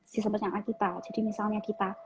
sistem syariah kita jadi misalnya kita